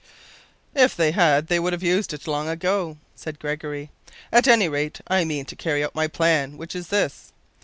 "If they had they would have used it long ago," said Gregory. "At any rate I mean to carry out my plan which is this.